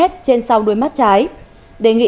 trên sau đuôi mắt trái đề nghị